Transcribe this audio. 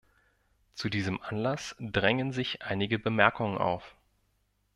Zu diesem Anlass drängen sich einige Bemerkungen auf.